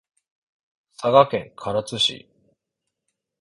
佐賀県唐津市